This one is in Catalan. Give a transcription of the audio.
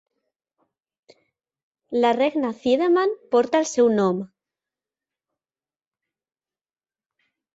La regna Thiedemann porta el seu nom.